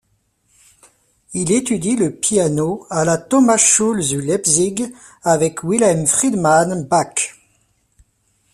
Il étudie le piano à la Thomasschule zu Leipzig avec Wilhelm Friedemann Bach.